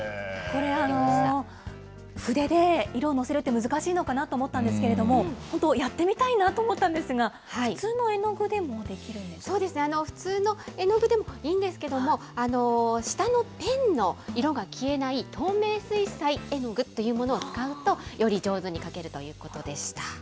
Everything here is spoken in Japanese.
これ、筆で色をのせるって難しいのかなと思ったんですけれども、本当、やってみたいなと思ったんですが、普通の絵の具でもで普通の絵の具でもいいんですけども、下のペンの色が消えない、透明水彩絵の具というものを使うと、より上手に描けるということでした。